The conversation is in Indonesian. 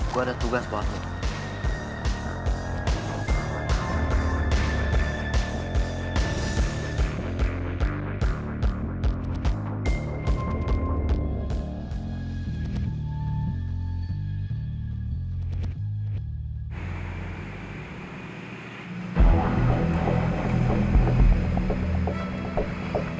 gue ada tugas buatmu